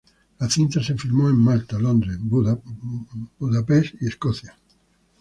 La cinta se filmó en Malta, Londres, Budapest y Escocia.